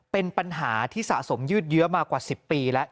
เป็นปัญหาที่สะสมยืดเยอะมากว่า๑๐ปีแล้ว